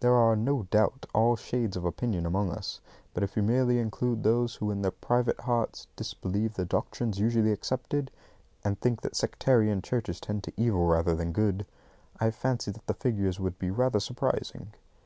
There are, no doubt, all shades of opinion among us; but if you merely include those who in their private hearts disbelieve the doctrines usually accepted, and think that sectarian churches tend to evil rather than good, I fancy that the figures would be rather surprising.